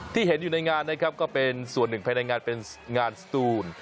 ที่เห็นอยู่ในงานนะครับก็เป็นส่วนหนึ่งภายในงานเป็นงานสตูน